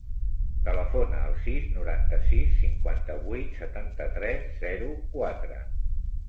Telefona al sis, noranta-sis, cinquanta-vuit, setanta-tres, zero, quatre.